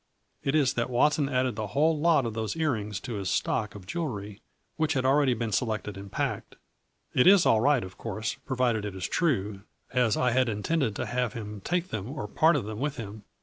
It is that Watson added the whole lot of those ear rings to his stock of jewel ry, which had already been selected and packed. It is all right, of course, provided it is true, as I had intended to have him take them or part of them with him.